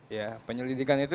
ya penyelidikan itu